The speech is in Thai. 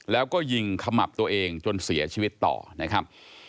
แล้วก็ยิงขมับตัวเองจนเสียชีวิตต่อนะครับ